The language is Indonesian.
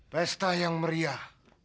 pesta yang meriah